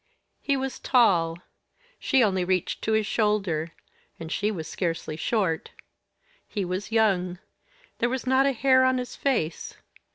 He was tall; she only reached to his shoulder, and she was scarcely short. He was young there was not a hair on his face.